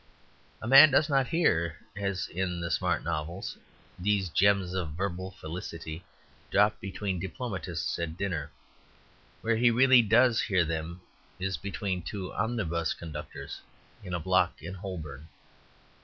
A man does not hear, as in the smart novels, these gems of verbal felicity dropped between diplomatists at dinner. Where he really does hear them is between two omnibus conductors in a block in Holborn.